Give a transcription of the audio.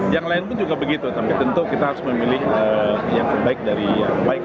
yang lain pun juga begitu tapi tentu kita harus memilih yang terbaik dari yang baik